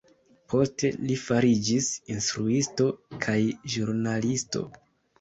Poste, li fariĝis instruisto kaj ĵurnalisto.